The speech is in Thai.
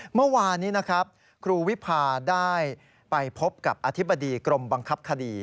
เมื่อวานนี้นะครับครูวิพาได้ไปพบกับอธิบดีกรมบังคับคดี